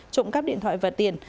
trộm cắp điện thoại và tiền